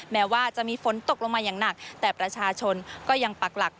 แม้ว่าจะมีฝนตกลงมาอย่างหนักแต่ประชาชนก็ยังปักหลัก